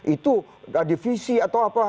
itu divisi atau apa